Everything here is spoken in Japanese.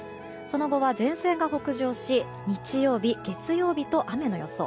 その後は前線が北上し日曜日、月曜日と雨の予想。